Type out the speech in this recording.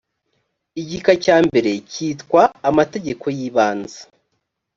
igika cya mbere cyitwa amategeko y ibanze